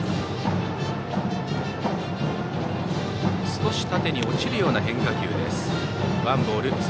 少し縦に落ちるような変化球です。